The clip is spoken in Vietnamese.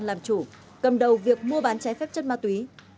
làm chủ cầm đầu việc mua bán trái phép chất ma túy